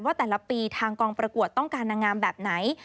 แต่ละปีทางกองประกวดต้องการนางงามแบบไหน